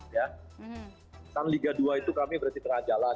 pesan liga dua itu kami berada di tengah jalan